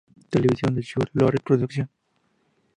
Television y Chuck Lorre Productions.